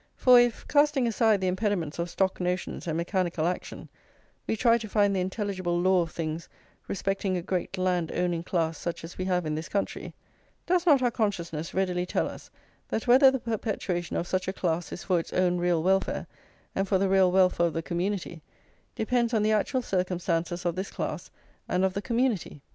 For if, casting aside the impediments of stock notions and mechanical action, we try to find the intelligible law of things respecting a great land owning class such as we have in this country, does not our consciousness readily tell us that whether the perpetuation of such a class is for its own real welfare and for the real welfare of the community, depends on the actual circumstances of this class and of the community?